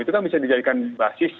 itu kan bisa dijadikan basis